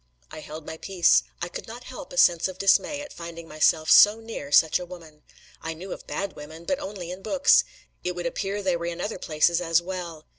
I held my peace. I could not help a sense of dismay at finding myself so near such a woman. I knew of bad women, but only in books: it would appear they were in other places as well!